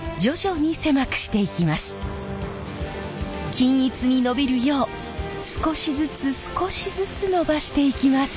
均一にのびるよう少しずつ少しずつのばしていきます。